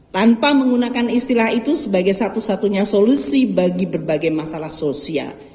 tanpa menggunakan istilah itu sebagai satu satunya solusi bagi berbagai masalah sosial